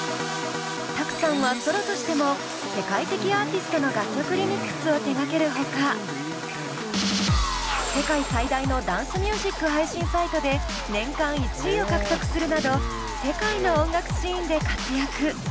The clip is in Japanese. ☆Ｔａｋｕさんはソロとしても世界的アーティストの楽曲リミックスを手がけるほか世界最大のダンスミュージック配信サイトで年間１位を獲得するなど世界の音楽シーンで活躍。